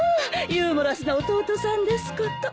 ユーモラスな弟さんですこと。